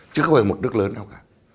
chứ không phải một nước lớn nào cả